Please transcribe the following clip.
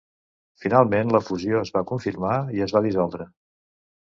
Finalment, la fusió es va confirmar i es va dissoldre.